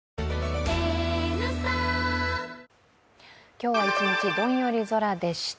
今日は一日どんより空でした。